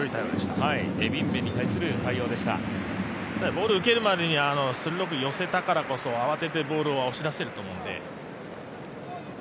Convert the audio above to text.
ボール受けるまでに鋭く寄せたからこそ慌ててボールは押し出せると思うので。